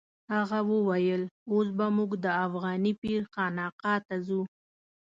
هغه وویل اوس به موږ د افغاني پیر خانقا ته ځو.